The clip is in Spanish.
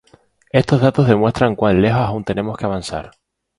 Estos datos demuestran cuán lejos aún tenemos que avanzar".